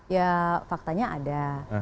ya faktanya ada